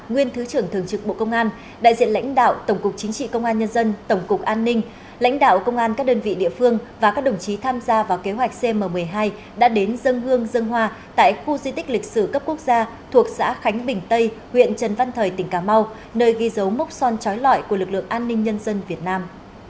nguyên thứ trưởng thường trực bộ công an đại diện lãnh đạo tổng cục chính trị công an nhân dân tổng cục an ninh lãnh đạo công an các đơn vị địa phương và các đồng chí tham gia vào kế hoạch cm một mươi hai đã đến dân hương dân hoa tại khu di tích lịch sử cấp quốc gia thuộc xã khánh bình tây huyện trần văn thời tỉnh cà mau nơi ghi dấu mốc son trói lọi của lực lượng an ninh nhân dân việt nam